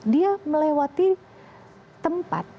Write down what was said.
dia melewati tempat